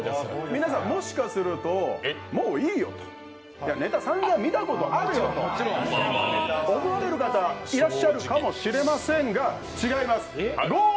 皆さん、もしかするともういいよと、ネタ、さんざん見たことあるよと思われる方、いらっしゃるかもしれませんが違います、ゴー☆